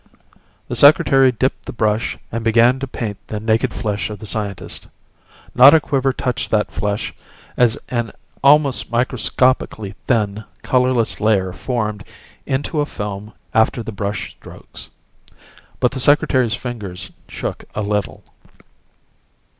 The Secretary dipped the brush and began to paint the naked flesh of the scientist. Not a quiver touched that flesh as an almost microscopically thin, colorless layer formed into a film after the brush strokes. But the Secretary's fingers shook a little.